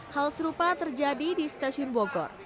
hal serupa terjadi di stasiun bogor